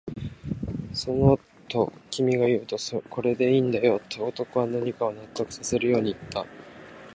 その、と君が言うと、これでいいんだよ、と男は何かを納得させるように言った